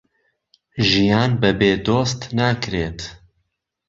ژیان بەبێ دۆست ناکرێت